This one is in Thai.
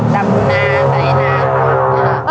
ดำหน้าใส่หน้า